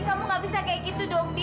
indi kamu gak bisa kayak gitu dong di